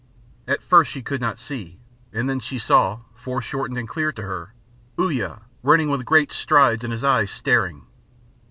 At first she could not see, and then she saw, foreshortened and clear to her, Uya, running with great strides and his eyes staring.